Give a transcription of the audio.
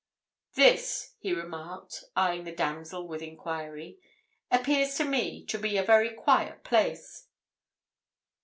"This," he remarked, eyeing the damsel with enquiry, "appears to me to be a very quiet place."